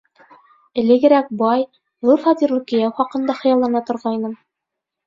Элегерәк бай, ҙур фатирлы кейәү хаҡында хыяллана торғайным.